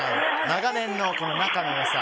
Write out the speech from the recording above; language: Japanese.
長年の仲の良さ。